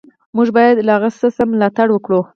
موږ باید له هغه څه ملاتړ وکړو.